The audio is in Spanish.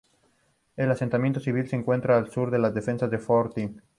El asentamiento civil se encontraba al sur de las defensas del fortín.